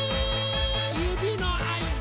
ゆびのあいだ！